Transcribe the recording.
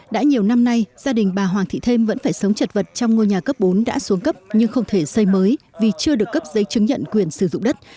đã nhiều năm nay gia đình bà hoàng thị thêm vẫn phải sống chật vật trong ngôi nhà cấp bốn đã xuống cấp nhưng không thể xây mới vì chưa được cấp giấy chứng nhận quyền sử dụng đất